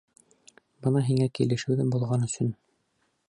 Бына һиңә килешеүҙе боҙған өсөн...